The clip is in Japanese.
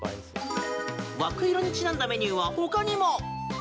枠色にちなんだメニューはほかにも。